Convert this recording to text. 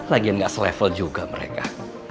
lagian gak selevel juga mereka